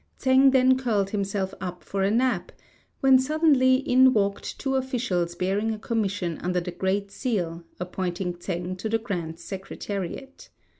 Tsêng then curled himself up for a nap, when suddenly in walked two officials bearing a commission under the Great Seal appointing Tsêng to the Grand Secretariat.